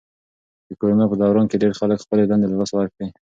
د کرونا په دوران کې ډېری خلکو خپلې دندې له لاسه ورکړې.